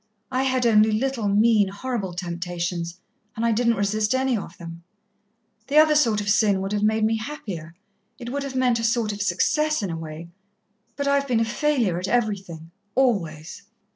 I had only little, mean, horrible temptations and I didn't resist any of them. The other sort of sin would have made me happier it would have meant a sort of success in a way but I have been a failure at everything always."